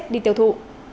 đi tiêu thụ